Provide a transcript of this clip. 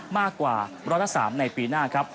มากกว่าบรรทสามในปีหน้าครับ